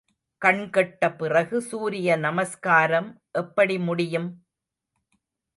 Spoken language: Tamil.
கண்கெட்ட பிறகு சூரிய நமஸ்காரம் எப்படி முடியும்?